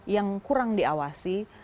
yang kurang diawasi